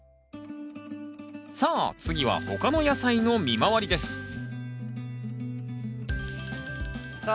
さあ次は他の野菜の見回りですさあ